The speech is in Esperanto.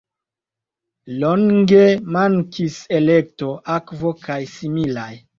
Longe mankis elekto, akvo kaj similaj.